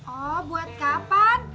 oh buat kapan